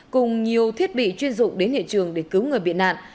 cùng nhiều thiết bị chuyên dụng đến hiện trường để cứu người bị nạn